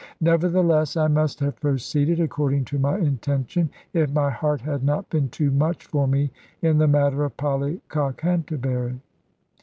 Nevertheless I must have proceeded according to my intention, if my heart had not been too much for me in the matter of Polly Cockhanterbury.